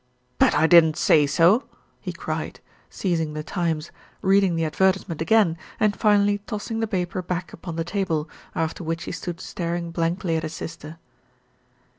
"But I didn't say so," he cried, seizing The Times, reading the advertisement again, and finally tossing the paper back upon the table, after which he stood staring blankly at his sister.